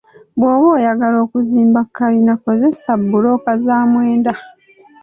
Bwoba oyagala okuzimba kkalina kozesa bbulooka za mwenda.